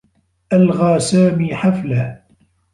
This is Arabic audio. ألغى سامي حفله.